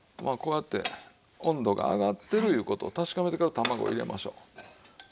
まあこうやって温度が上がってるいう事を確かめてから卵を入れましょう。